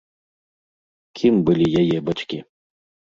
Кім былі яе бацькі?